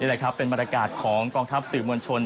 แหละครับเป็นบรรยากาศของกองทัพสื่อมวลชน